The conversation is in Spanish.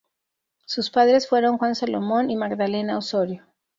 Sus padres fueron Juan Salomón y Magdalena Osorio.